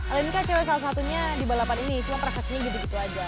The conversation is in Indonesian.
ala ini kan cewek salah satunya di balapan ini cuma prestasinya gitu gitu aja